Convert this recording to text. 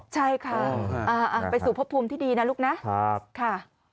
ใช่ค่ะไปสู่พบทุมที่ดีนะลูกนะ